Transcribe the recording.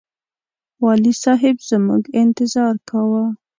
والي صاحب زموږ انتظار کاوه.